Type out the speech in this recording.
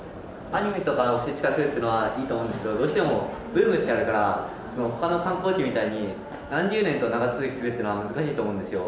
アニメとかの聖地化するっていうのはいいと思うんですけどどうしてもブームってあるから他の観光地みたいに何十年と長続きするっていうのは難しいと思うんですよ。